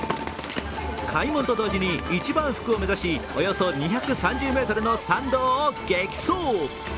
開門と同時に一番福を目指しおよそ２３０ｍの参道を激走。